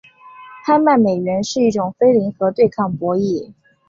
拍卖美元是一种非零和对抗博弈。